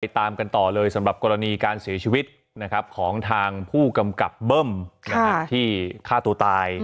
ตามกันต่อเลยสำหรับกรณีการเสียชีวิตของทางผู้กำกับเบิ้มที่ฆ่าตัวตาย